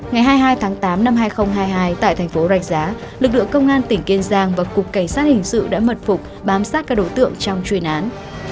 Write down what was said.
ngày hai mươi hai tháng tám năm hai nghìn hai mươi hai tại thành phố rạch giá lực lượng công an tỉnh kiên giang và cục cảnh sát hình sự đã mật phục bám sát các đối tượng trong chuyên án